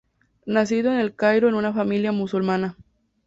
Nacido en El Cairo en una familia musulmana.